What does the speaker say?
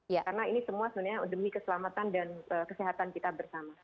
karena ini semua sebenarnya demi keselamatan dan kesehatan kita bersama